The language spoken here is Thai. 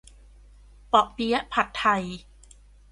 เปาะเปี๊ยะผัดไทย